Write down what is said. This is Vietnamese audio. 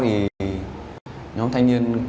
thì nhóm thanh niên